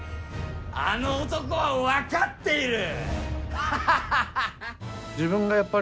あの男は分かっている！